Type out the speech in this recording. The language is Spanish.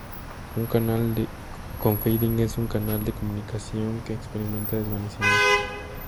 Un canal con fading es un canal de comunicación que experimenta desvanecimiento.